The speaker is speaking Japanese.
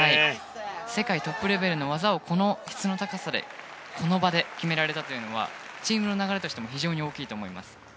世界トップレベルの技をこの質の高さでこの場で決められたというのはチームの流れとしても非常に大きいと思います。